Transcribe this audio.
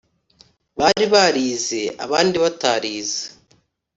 bari barize abandi batarize